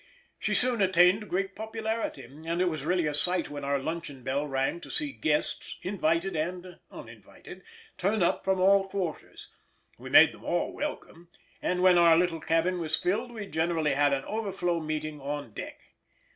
She soon attained great popularity, and it was really a sight when our luncheon bell rang to see guests, invited and uninvited, turn up from all quarters. We made them all welcome, and when our little cabin was filled we generally had an overflow meeting on deck.